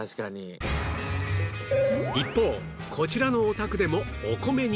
一方こちらのお宅でもお米に